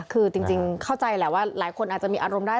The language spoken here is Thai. คือจริงเข้าใจแหละว่าหลายคนอาจจะมีอารมณ์ได้